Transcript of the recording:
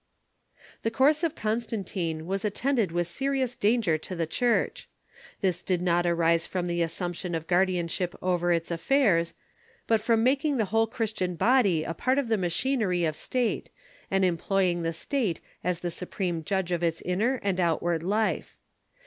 The course of Constantine was attended with serious danger to the Church. This did not arise from the assumption of guardianship over its affairs, but from making the Danger to y^ \^Q\Q Christian body a part of the machinery of the the Church , ,.,o i i State, and employmg the State as the supreme judge of its inner and outward life.